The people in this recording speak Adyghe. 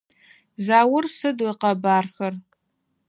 Заур сыд ыкъэбархэр?